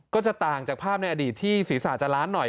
ก็จะต่างจากภาพในอดีตที่ศีรษะจะล้านหน่อย